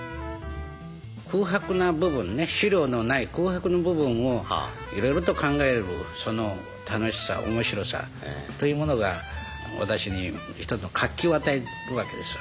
空白な部分ね資料のない空白の部分をいろいろと考えるその楽しさ面白さというものが私に一つの活気を与えるわけです。